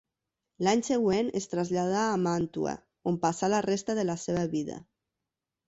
L'any següent es traslladà a Màntua, on passà la resta de la seva vida.